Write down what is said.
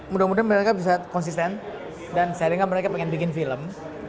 mudah mudahan mereka bisa konsisten dan sehingga mereka pengen bikin film